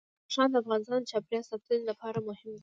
بدخشان د افغانستان د چاپیریال ساتنې لپاره مهم دي.